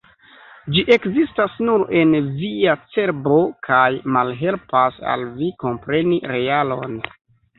Ĝi ekzistas nur en via cerbo kaj malhelpas al vi kompreni realon.